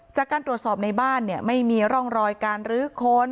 จากการตรวจสอบในบ้านเนี่ยไม่มีร่องรอยการรื้อค้น